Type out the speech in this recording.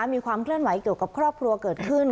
มีความเคลื่อนไหวเกี่ยวกับครอบครัวเกิดขึ้น